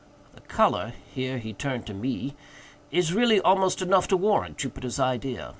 The color"—here he turned to me—"is really almost enough to warrant Jupiter's idea.